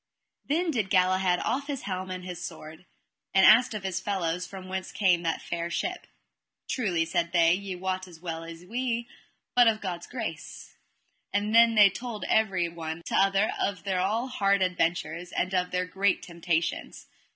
Then did Galahad off his helm and his sword, and asked of his fellows from whence came that fair ship. Truly, said they, ye wot as well as we, but of God's grace; and then they told everych to other of all their hard adventures, and of their great temptations.